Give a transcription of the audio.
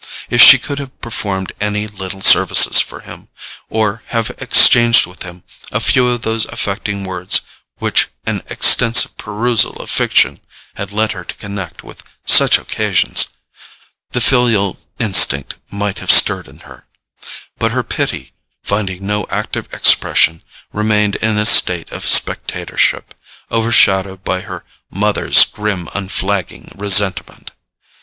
If she could have performed any little services for him, or have exchanged with him a few of those affecting words which an extensive perusal of fiction had led her to connect with such occasions, the filial instinct might have stirred in her; but her pity, finding no active expression, remained in a state of spectatorship, overshadowed by her mother's grim unflagging resentment.